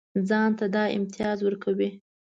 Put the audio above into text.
ځان ته دا امتیاز ورکوي.